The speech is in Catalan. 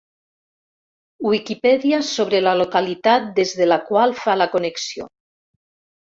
Wikipedia sobre la localitat des de la qual fa la connexió.